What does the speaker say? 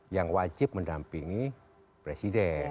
yang wajib mendampingi presiden